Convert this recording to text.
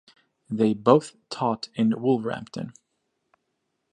They both taught in Wolverhampton.